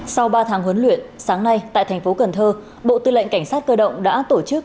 sau ba tháng huấn luyện sáng nay tại thành phố cần thơ bộ tư lệnh cảnh sát cơ động đã tổ chức